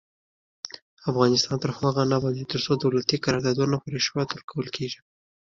افغانستان تر هغو نه ابادیږي، ترڅو دولتي قراردادونه په رشوت ورکول کیږي.